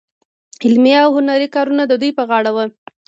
علمي او هنري کارونه د دوی په غاړه وو.